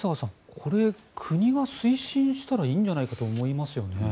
これ、国が推進したらいいんじゃないかと思いますよね。